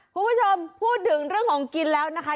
คุณผู้ชมพูดถึงเรื่องของกินแล้วนะคะ